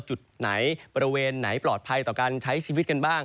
จุดไหนบริเวณไหนปลอดภัยต่อการใช้ชีวิตกันบ้าง